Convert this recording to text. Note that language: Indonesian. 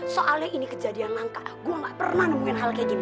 soalnya ini kejadian langka aku gak pernah nemuin hal kayak gini